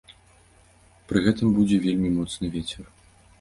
Пры гэтым будзе вельмі моцны вецер.